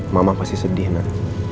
mama pasti sedih nan